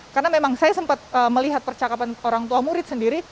karena memang saya sempat melihat percakapan orang tua murid sendiri